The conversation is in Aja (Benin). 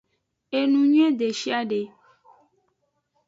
Enuyuie deshiade.